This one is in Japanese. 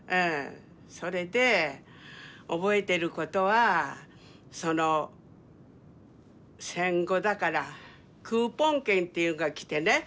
それで覚えてることはその戦後だからクーポン券っていうんが来てね